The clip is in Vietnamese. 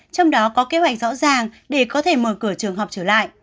trong đó có kế hoạch rõ ràng để có thể mở cửa trường học trở lại